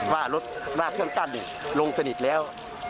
ว่ารถหน้าเครื่องกั้นลงสนิทแล้ว